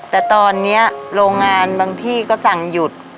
แต่ตอนนี้โรงงานบางที่ก็สั่งหยุด